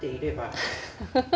アハハハ。